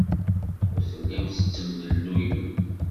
Ur tellim tettemlelluyem.